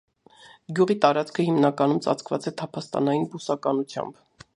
Գյուղի տարածքը հիմնականում ծածկված է տափաստանային բուսականությամբ։